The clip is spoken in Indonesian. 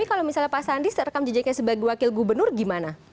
tapi kalau misalnya pak sandi serekam jejaknya sebagai wakil gubernur gimana